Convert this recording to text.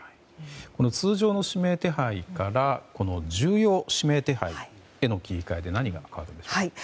通常の指名手配から重要指名手配への切り替えで何が変わるのでしょうか。